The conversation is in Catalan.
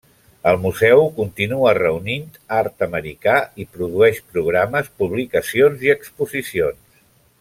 El museu continua reunint art americà i produeix programes, publicacions i exposicions.